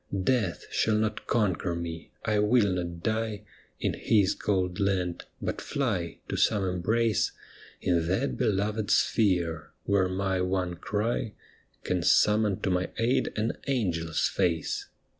Death shall not conquer me, I will not die In his cold land, but fly to some embrace In that beloved sphere, where my one cry Can summon to my aid an angel's face.